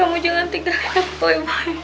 kamu jangan tinggalin aku boy